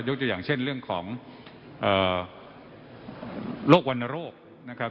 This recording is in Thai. ตัวอย่างเช่นเรื่องของโรควรรณโรคนะครับ